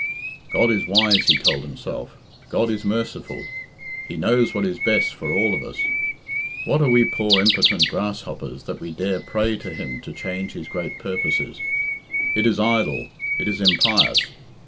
"God is wise," he told himself. "God is merciful. He knows what is best for all of us. What are we poor impotent grasshoppers, that we dare pray to Him to change His great purposes? It is idle. It is impious....